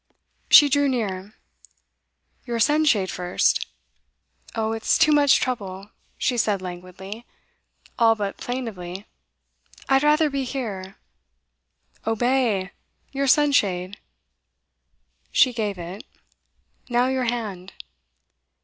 She drew near. 'Your sunshade first.' 'Oh, it's too much trouble,' she said languidly, all but plaintively. 'I'd rather be here.' 'Obey! Your sunshade ' She gave it. 'Now, your hand.